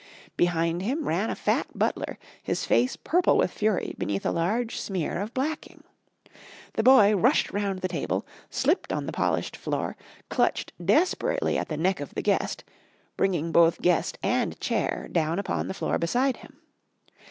Behind him ran a fat butler, his face purple with fury beneath a large smear of blacking. The boy rushed round the table, slipped on the polished floor, clutched desperately at the neck of the guest, bringing both guest and chair down upon the floor beside him.